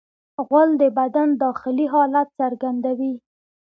غول د بدن داخلي حالت څرګندوي.